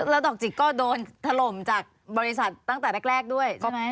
แล้วดอกจิกก็โดนถล่มจากบริษัทตั้งแต่แรกด้วยใช่ไหม